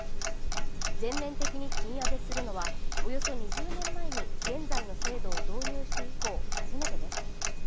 全面的に賃上げするのはおよそ２０年前に現在の制度を導入して以降、初めてです。